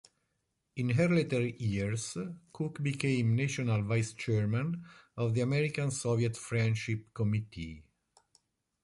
In her later years Cooke became national vice-chairman of the American-Soviet Friendship Committee.